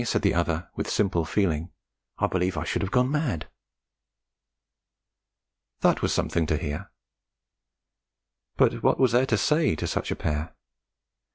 said the other, with simple feeling, 'I believe I should have gone mad.' That was something to hear. But what was there to say to such a pair?